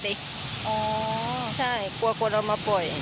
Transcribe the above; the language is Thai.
ใช่กลัวคนเอามาปล่อย